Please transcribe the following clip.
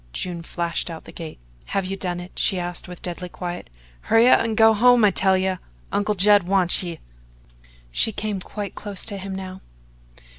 June flashed out the gate. "Have you done it?" she asked with deadly quiet. "Hurry up an' go home, I tell ye! Uncle Judd wants ye!" She came quite close to him now.